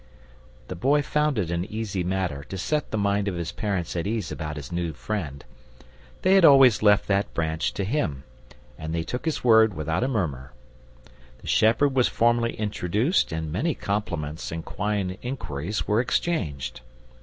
The Boy found it an easy matter to set the mind of his parents' at ease about his new friend. They had always left that branch to him, and they took his word without a murmur. The shepherd was formally introduced and many compliments and kind inquiries were exchanged.